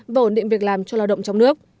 và ổn định việc làm cho lao động trong nước